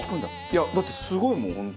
いやだってすごいもん